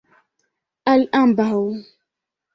Al ambaŭ.